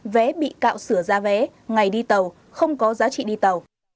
vé bị cạo sửa ra vé ngày đi tàu không có giá trị đi tàu